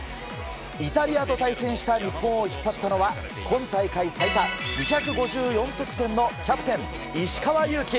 イタリアと対戦した日本を引っ張ったのは今大会最多２５４得点のキャプテン、石川祐希。